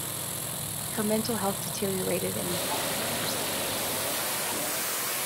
Her mental health deteriorated in the following years.